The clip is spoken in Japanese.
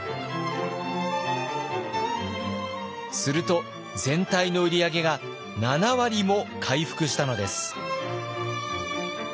すると全体の売り上げが７割も回復したのです。